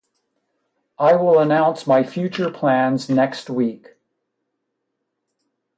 I will announce my future plans next week.